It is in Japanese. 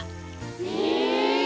へえ。